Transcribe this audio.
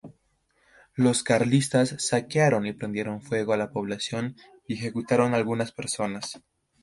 Los Carlistas saquearon y prendieron fuego a la población, y ejecutaron algunas personas.